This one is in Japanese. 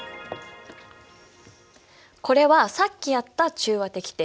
これはさっきやった中和滴定。